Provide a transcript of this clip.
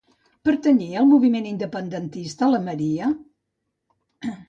Pertanyia al moviment independentista la Maria?